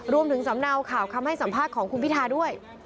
สำเนาข่าวคำให้สัมภาษณ์ของคุณพิทาด้วย